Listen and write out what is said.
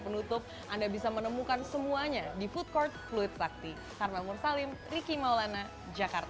penutup anda bisa menemukan semuanya di food court pulitsakti karena mursalim ricky maulana jakarta